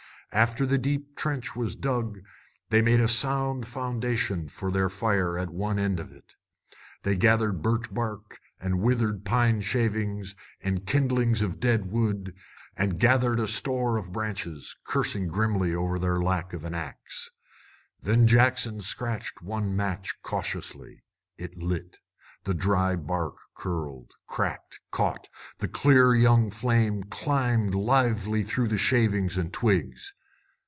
After the deep trench was dug, they made a sound foundation for their fire at one end of it. They gathered birch bark and withered pine shavings and kindlings of dead wood, and gathered a store of branches, cursing grimly over their lack of an axe. Then Jackson scratched one match cautiously. It lit: the dry bark curled, cracked, caught; the clear young flame climbed lithely through the shavings and twigs.